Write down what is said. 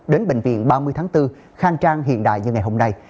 đến bệnh viện ba mươi tháng bốn khang trang hiện đại như ngày hôm nay